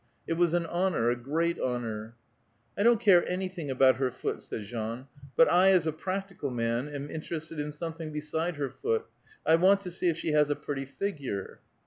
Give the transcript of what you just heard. It was an honor, a great honor." " 1 don't care anything about her foot," said Jean ;" but I as a practical man am interested in something beside her foot. 1 want to see if she has a pretty figure."